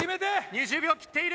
２０秒を切っている。